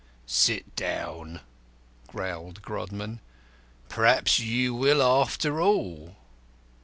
"Sit down," growled Grodman; "perhaps you will after all."